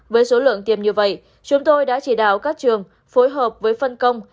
với số lượng tiêm như vậy chúng tôi đã chỉ đạo các trường phối hợp với phân công